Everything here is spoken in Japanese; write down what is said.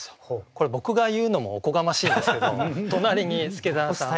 これ僕が言うのもおこがましいですけど隣に祐真さん。